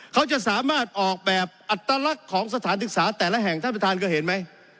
เขาจะสามารถออกแบบอัตลักษณ์ของสถานศึกษาแต่ละแห่งท่านประธานเคยเห็นไหม